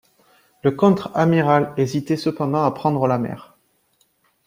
Le contre-amiral hésitait cependant à prendre la mer.